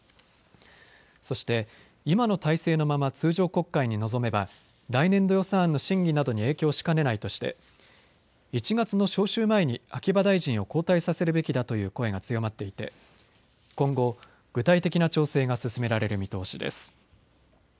そして今の体制のまま通常国会に臨めば来年度予算案の審議などに影響しかねないとして１月の召集前に秋葉大臣を交代させるべきだという声が強まっていて今後、具体的な調整が進められる見通しです。